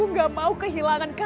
yang saling lagi indah international